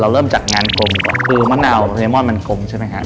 เราเริ่มจากงานกลมก่อนคือมะนาวไมโมนมันกลมใช่ไหมคะ